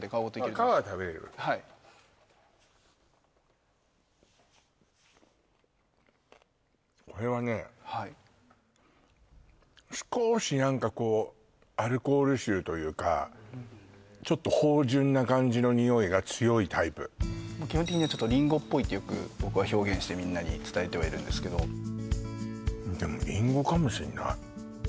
はい皮は食べれるこれはねはい少し何かこうというかちょっとが強いタイプ基本的にはリンゴっぽいってよく僕は表現してみんなに伝えてはいるんですけどでもリンゴかもしんない